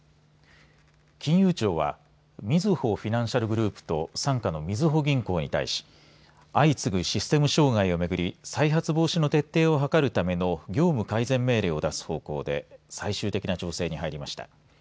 金融庁はみずほフィナンシャルグループと傘下のみずほ銀行に対し相次ぐシステム障害をめぐり再発防止の徹底を図るための業務改善命令を出す方向で最終的な調整に入りました。